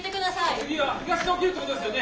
次は東で起きるってことですよね？